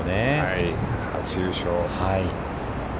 初優勝。